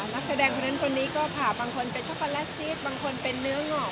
นักแสดงคนนั้นคนนี้ก็ผ่าบางคนเป็นช็อกโกแลตซีสบางคนเป็นเนื้องอก